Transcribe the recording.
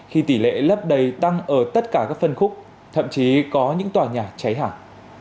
khi tỷ lệ lấp đầy tăng ở tất cả các phân khúc thậm chí có những tòa nhà cháy hàng